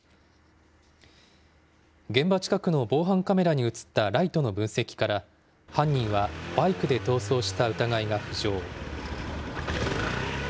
現場近くの防犯カメラに写ったライトの分析から、犯人はバイクで逃走した疑いが浮上。